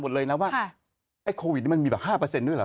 หมดเลยนะว่าไอ้โควิดเนี้ยมันมีแบบห้าเปอร์เซนต์ด้วยหรือ